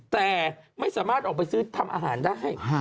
แต่ไม่สามารถออกไปซื้อทำอาหารได้